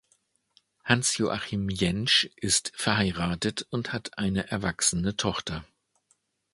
Hans-Joachim Jentsch ist verheiratet und hat eine erwachsene Tochter.